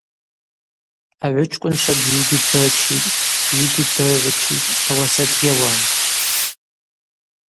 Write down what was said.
Агӏвычкӏвынчва бзигьи ддырчитӏ, бзигьи дыргӏвычитӏ, ауаса дгьауам.